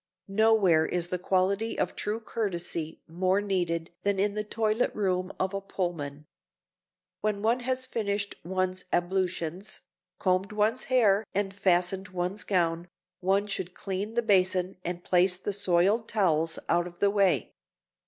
Nowhere is the quality of true courtesy more needed than in the toilet room of a Pullman. When one has finished one's ablutions, combed one's hair and fastened one's gown, one should clean the basin and place the soiled towels out of the way.